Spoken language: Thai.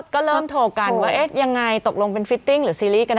ก็เริ่มโทรกันว่าเอ๊ะยังไงตกลงเป็นฟิตติ้งหรือซีรีสกัน